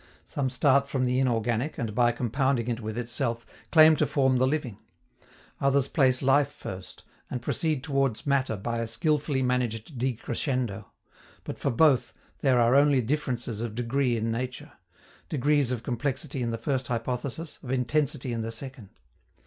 Some start from the inorganic, and, by compounding it with itself, claim to form the living; others place life first, and proceed towards matter by a skilfully managed decrescendo; but, for both, there are only differences of degree in nature degrees of complexity in the first hypothesis, of intensity in the second.